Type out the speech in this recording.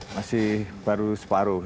masih baru separuh